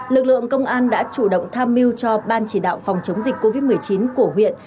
lực lượng công an đã chủ động tham mưu cho ban chỉ đạo phòng chống dịch covid một mươi chín của huyện